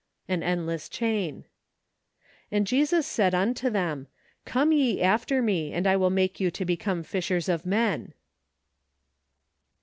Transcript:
An Endless Chain. "And Jesus said unto them , Come ye after me , and I icill make you to become fishers of men."